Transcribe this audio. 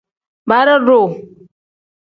Bara-duu.